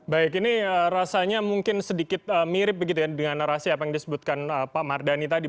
baik ini rasanya mungkin sedikit mirip dengan narasi yang disebutkan pak mardhani tadi